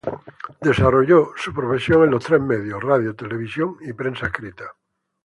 Desarrolló su profesión en los tres medios: radio, televisión y prensa escrita.